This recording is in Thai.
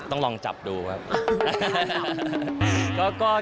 ต้องลองจับดูครับ